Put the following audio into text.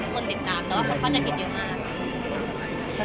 คนติดตามแต่ว่าคนเข้าใจผิดเยอะมาก